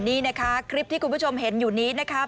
นี่นะคะคลิปที่คุณผู้ชมเห็นอยู่นี้นะคะ